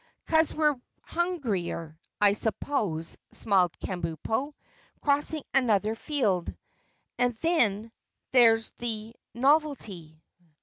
"'Cause we're hungrier, I suppose," smiled Kabumpo, crossing another field, "and then, there's the novelty."